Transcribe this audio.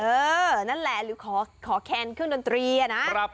เออนั่นแหละหรือขอแคนเครื่องดนตรีอะนะ